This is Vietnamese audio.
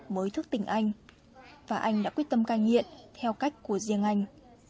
mới thức tình anh và anh đã quyết tâm ca nhiện theo cách của riêng anh